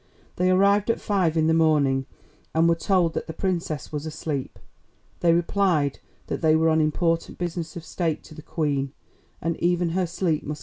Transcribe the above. They arrived at five in the morning, and were told that the Princess was asleep. They replied that they were on important business of State to the Queen, and even her sleep must give way to that.